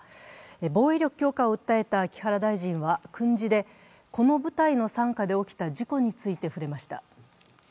防衛力強化を訴えた木原大臣は、訓示で、この部隊の傘下で起きた事故について触れました。